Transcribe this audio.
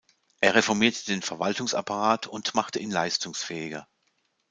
Er reformierte den Verwaltungsapparat und machte ihn leistungsfähiger.